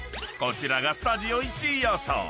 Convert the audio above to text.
［こちらがスタジオ１位予想］